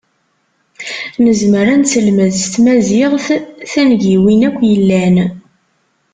Nezmer ad neselmed s tmaziɣt tangiwin akk yellan.